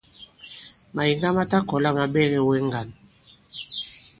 Màyìŋga ma ta kɔ̀la ma ɓɛgɛ wɛ ŋgǎn.